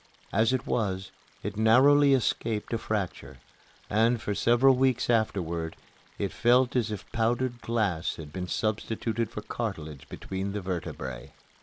As it was, it narrowly escaped a fracture and, for several weeks afterward, it felt as if powdered glass had been substituted for cartilage between the vertebrae.